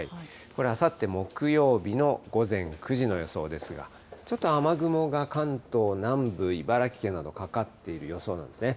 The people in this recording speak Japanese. これ、あさって木曜日の午前９時の予想ですが、ちょっと雨雲が関東南部、茨城県など、かかっている予想なんですね。